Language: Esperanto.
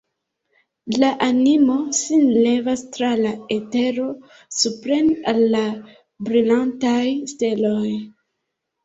La animo sin levas tra la etero supren, al la brilantaj steloj!